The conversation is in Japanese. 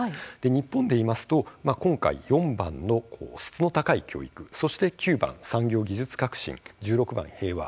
日本でいいますと今回、４番の質の高い教育そして９番、産業・技術革新１６番、平和